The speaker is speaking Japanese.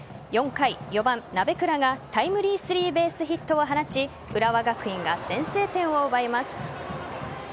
４回、４番・鍋倉がタイムリースリーベースヒットを放ち浦和学院が先制点を奪います。